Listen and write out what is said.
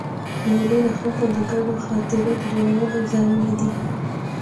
مېلې د خلکو د ګډو خاطرو د جوړولو ځایونه دي.